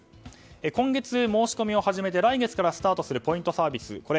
今月申し込みを始めて来月からスタートするポイントサービス。